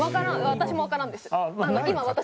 私もわからんです。